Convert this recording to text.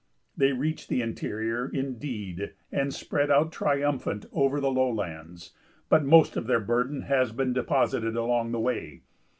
They reach the interior, indeed, and spread out triumphant over the lowlands, but most of their burden has been deposited along the way.